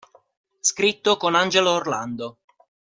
Scritto con Angelo Orlando.